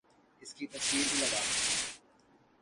اس کی تصویر بھی لگا دو